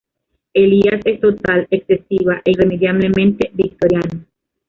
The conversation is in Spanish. Elías es total, excesiva, e irremediablemente victoriano.